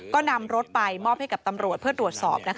ก็นำรถไปมอบให้กับตำรวจเพื่อตรวจสอบ